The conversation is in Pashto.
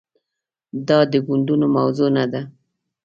دا د ګوندونو موضوع نه ده.